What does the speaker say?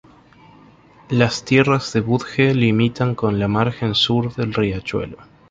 Las tierras de Budge limitan con la margen sur del Riachuelo.